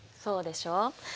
そうでしょう。